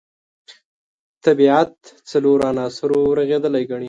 طبیعت څلورو عناصرو رغېدلی ګڼي.